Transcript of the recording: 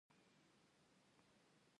د هرات په سنګلان کې د څه شي کان دی؟